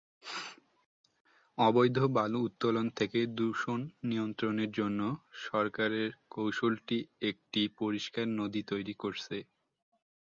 অবৈধ বালু উত্তোলন থেকে দূষণ নিয়ন্ত্রণের জন্য সরকারের কৌশলটি একটি পরিষ্কার নদী তৈরি করেছে।